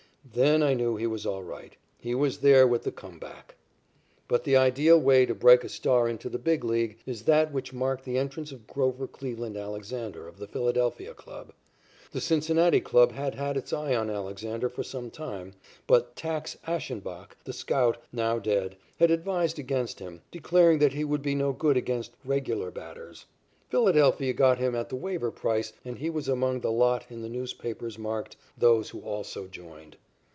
"Then I knew he was all right. He was there with the 'come back.'" But the ideal way to break a star into the Big League is that which marked the entrance of Grover Cleveland Alexander, of the Philadelphia club. The Cincinnati club had had its eye on Alexander for some time, but "Tacks" Ashenbach, the scout, now dead, had advised against him, declaring that he would be no good against "regular batters." Philadelphia got him at the waiver price and he was among the lot in the newspapers marked "Those who also joined."